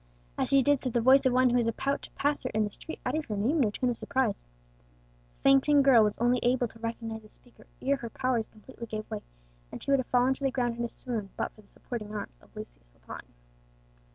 As she did so the voice of one who was about to pass her in the street uttered her name in a tone of surprise. The fainting girl was only able to recognize the speaker ere her powers completely gave way, and she would have fallen to the ground in a swoon but for the supporting arms of Lucius Lepine.